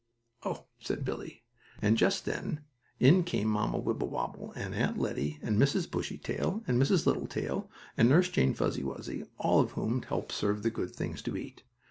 "Oh," said Billie, and just then in came Mamma Wibblewobble and Aunt Lettie and Mrs. Bushytail and Mrs. Littletail and Nurse Jane Fuzzy Wuzzy, all of whom helped serve the good things to eat.